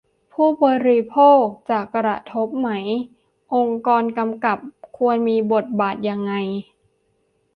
ผู้บริโภคจะกระทบไหม องค์กรกำกับควรมีบทบาทยังไง